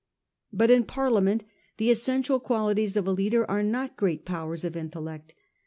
But in Parliament the essential qualities of a leader are not great powers of intellect.